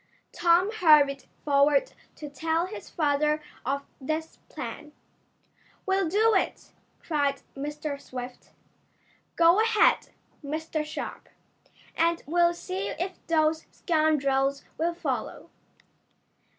Tom hurried forward to tell his father of this plan. "We'll do it!" cried Mr. Swift. "Go ahead, Mr. Sharp, and we'll see if those scoundrels will follow."